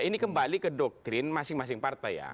ini kembali ke doktrin masing masing partai ya